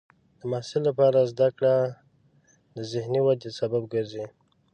د محصل لپاره زده کړه د ذهني ودې سبب ګرځي.